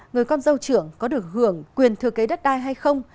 người con dâu trưởng có được hưởng quyền thừa kế đất đai hay không